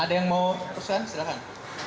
ada yang mau perusahaan silahkan